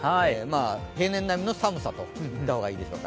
平年並みの寒さと言ったほうがいいでしょうか。